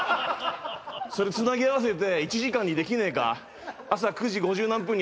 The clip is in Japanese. つなぎ合わせて１時間にできねえか。